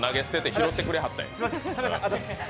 拾ってくだはったんや。